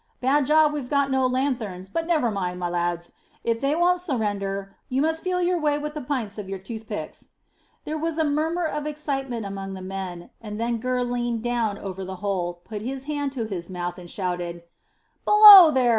"Bad job we've no lanthorns; but never mind, my lads. If they won't surrender, you must feel your way with the pyntes of your toothpicks." There was a murmur of excitement among the men, and then Gurr leaned down over the hole, put his hand to his mouth, and shouted, "Below there!